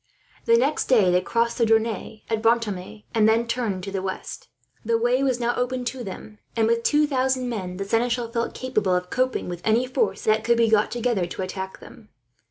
The next day they crossed the Dronne at Brantome, and then turned to the west. The way was now open to them and, with two thousand men, the seneschal felt capable of coping with any force that could be got together to attack them.